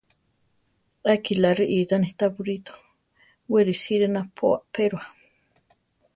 A kilá riʼíchane tá buríto; we risíre napó apéroa.